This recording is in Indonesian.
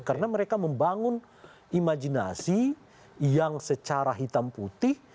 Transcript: karena mereka membangun imajinasi yang secara hitam putih